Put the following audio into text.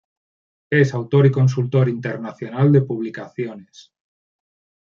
Es autor y consultor internacional de publicaciones.